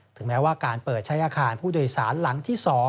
แม้ว่าการเปิดใช้อาคารผู้โดยสารหลังที่๒